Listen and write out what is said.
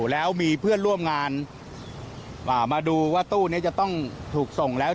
แล้วมีเพื่อนร่วมงานมาดูว่าตู้นี้จะต้องถูกส่งแล้ว